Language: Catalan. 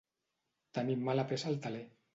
Tenim mala peça al teler